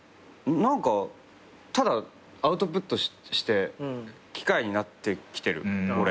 ただアウトプットして機械になってきてる俺。